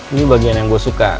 ini bagian yang gue suka